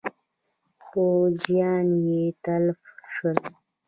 پوځیان یې تلف شول.